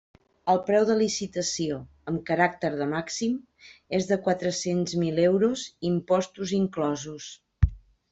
El preu de licitació, amb caràcter de màxim, és de quatre-cents mil euros, impostos inclosos.